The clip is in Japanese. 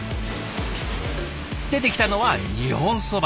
出てきたのは日本そば。